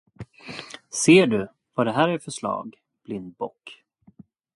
Ser du, vad det här är för slag, blindbock.